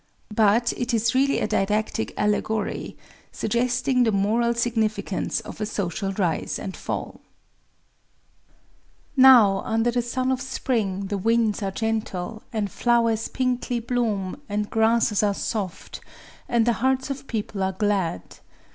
But it is really a didactic allegory,—suggesting the moral significance of a social rise and fall:— "Now, under the sun of spring, the winds are gentle, and flowers pinkly bloom, and grasses are soft, and the hearts of people are glad.